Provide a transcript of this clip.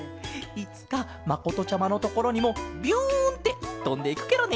いつかまことちゃまのところにもビュンってとんでいくケロね！